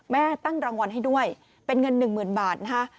ตั้งรางวัลให้ด้วยเป็นเงิน๑๐๐๐บาทนะคะ